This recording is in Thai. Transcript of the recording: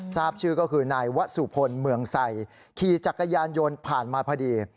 ทราบชื่อก็คือนายวะสุพลเมืองใส่ขี่จักรยานยนต์ผ่านมาพอดี